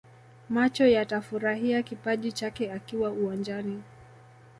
Macho yatafurahia kipaji chake akiwa uwanjani